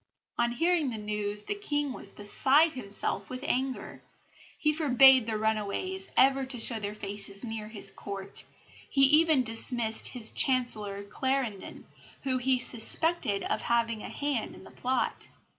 On hearing the news the King was beside himself with anger. He forbade the runaways ever to show their faces near his Court he even dismissed his Chancellor Clarendon, whom he suspected of having a hand in the plot.